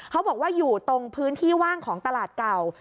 เขาบอกว่าอยู่ตรงพื้นที่ว่างของตลาดเก่า